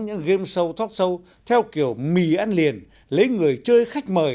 những game show talk show theo kiểu mì ăn liền lấy người chơi khách mời